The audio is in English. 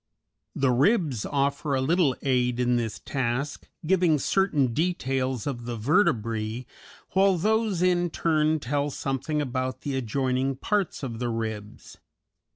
The ribs offer a little aid in this task, giving certain details of the vertebræ, while those in turn tell something about the adjoining parts of the ribs.